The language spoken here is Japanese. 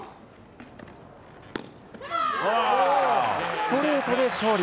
ストレートで勝利。